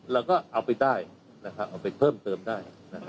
เราก็เอาไปได้นะครับเอาไปเพิ่มเติมได้นะครับ